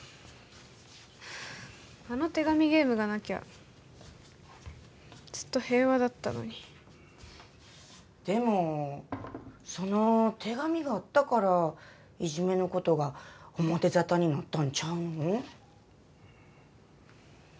あの手紙ゲームがなきゃずっと平和だったのにでもその手紙があったからいじめのことが表沙汰になったんちゃうの？